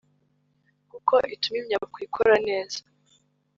kuko ituma imyakura ikora neza